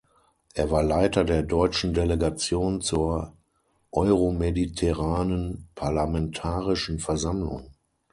Er war Leiter der deutschen Delegation zur Euromediterranen Parlamentarischen Versammlung.